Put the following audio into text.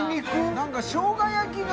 何かしょうが焼きの。